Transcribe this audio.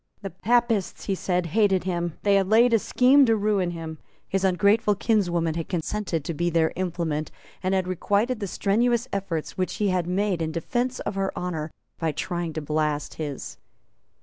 The Papists, he said, hated him; they had laid a scheme to ruin him; his ungrateful kinswoman had consented to be their implement, and had requited the strenuous efforts which he had made in defence of her honour by trying to blast his.